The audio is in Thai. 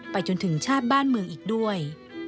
จนถึงชาติบ้านเมืองอีกด้วย